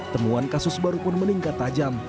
temuan kasus baru pun meningkat tajam